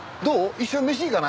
一緒に飯行かない？